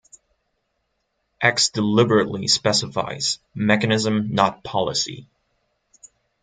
X deliberately specifies "mechanism, not policy".